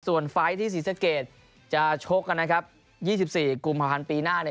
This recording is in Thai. ส่วนไฟล์ที่ซีเซอร์เกจจะโชคกัน๒๔กลุ่ม๒๐๐๐ปีหน้า